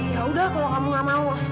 yaudah kalau kamu gak mau